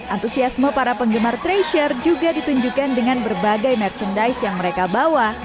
antusiasme para penggemar treasure juga ditunjukkan dengan berbagai merchandise yang mereka bawa